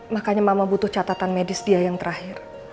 makanya mama butuh catatan medis dia yang terakhir